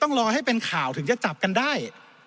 รอให้เป็นข่าวถึงจะจับกันได้